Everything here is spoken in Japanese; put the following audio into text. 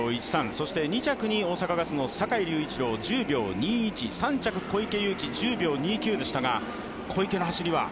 そして２着に大阪ガスの坂井隆一郎１０秒２１、３着、小池祐貴１０秒２９でしたが、小池の走りは？